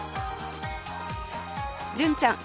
純ちゃん